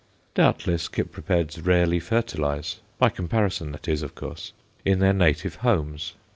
Doubtless Cypripeds rarely fertilize by comparison, that is, of course in their native homes.